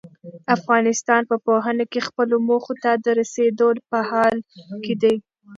افغانستان په پوهنه کې خپلو موخو ته د رسېدو په حال کې دی.